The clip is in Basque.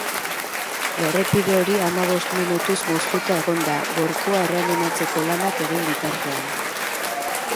Errepide hori hamabost minutuz moztuta egon da, gorpua erreanimatzeko lanak egin bitartean.